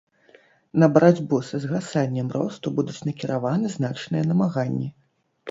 На барацьбу са згасаннем росту будуць накіраваны значныя намаганні.